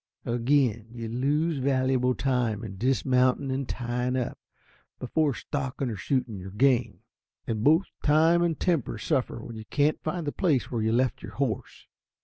Again, you lose valuable time in dismounting and tying up, before stalking or shooting your game. And both time and temper suffer when you can't find the place where you left your horse.